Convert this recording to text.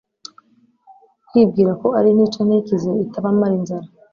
kwibwira ko ari intica ntikize itabamara inzara